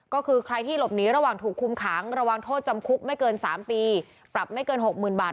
ก็คือใครที่หลบหนีระหว่างถูกคุมขังระวังโทษจำคุกไม่เกิน๓ปีปรับไม่เกิน๖๐๐๐บาท